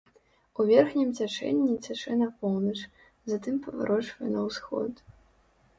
У верхнім цячэнні цячэ на поўнач, затым паварочвае на ўсход.